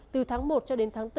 từ tháng một cho đến tháng bốn